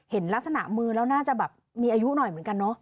เห็นลักษณะมือแล้วน่าจะแบบมีอายุหน่อยเหมือนกันเนอะ